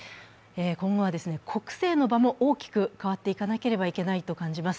今後は国政の場も大きく変わっていかなければいけないと感じます。